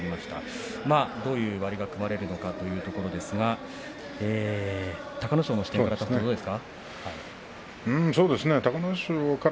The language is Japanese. どういう割が組まれるのかというところですが隆の勝の視点から見るとどうですか？